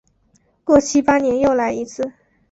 过七八年又来一次。